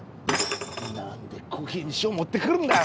なんでコーヒーに塩持ってくるんだよ！